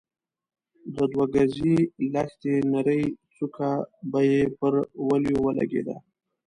د دوه ګزۍ لښتې نرۍ څوکه به يې پر وليو ولګېده.